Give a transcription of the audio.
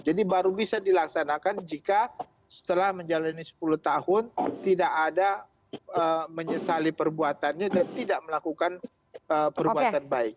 jadi baru bisa dilaksanakan jika setelah menjalani sepuluh tahun tidak ada menyesali perbuatannya dan tidak melakukan perbuatan baik